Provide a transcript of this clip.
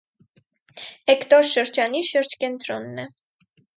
Էկտոր շրջանի շրջկենտրոնն է։